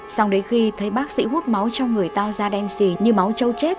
xong đến khi thấy bác sĩ hút máu trong người ta da đen xì như máu châu chết